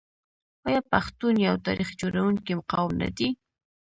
آیا پښتون یو تاریخ جوړونکی قوم نه دی؟